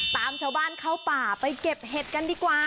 ตามชาวบ้านเข้าป่าไปเก็บเห็ดกันดีกว่า